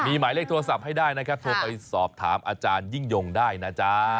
มีหมายเลขโทรศัพท์ให้ได้นะครับโทรไปสอบถามอาจารยิ่งยงได้นะจ๊ะ